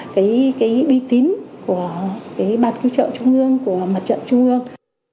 cái bi tín của bàn cứu trợ trung ương của mặt trận trung ương